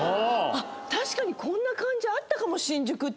確かにこんな感じあったかも新宿って。